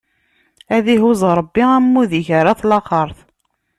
Ad ihuzz Ṛebbi, amud-ik ɣer at laxeṛt!